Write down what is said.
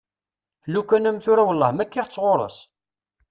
Lukan am tura wellah ma kkiɣ-tt ɣur-s?